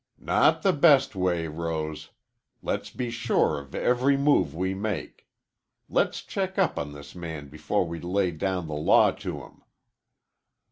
"Not the best way, Rose. Let's be sure of every move we make. Let's check up on this man before we lay down the law to him."